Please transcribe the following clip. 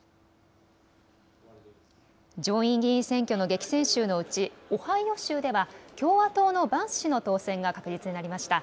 上院議員選挙の激戦州のうちオハイオ州では共和党のバンス氏の当選が確実になりました。